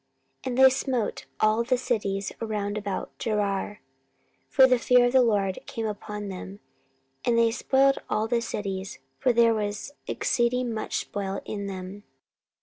14:014:014 And they smote all the cities round about Gerar; for the fear of the LORD came upon them: and they spoiled all the cities; for there was exceeding much spoil in them.